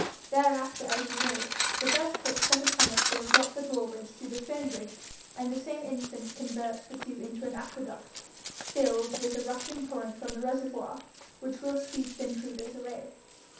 Thereafter, as you know, the first foot set upon it will drop the drawbridge to the stone bridge, and the same instant convert the two into an aqueduct, filled with a rushing torrent from the reservoir, which will sweep the intruders away.